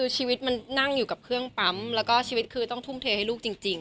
ชีวิตนั่งอยู่กับเครื่องปั๊มแล้วก็ต้องทุ่มเทให้ลูกจริง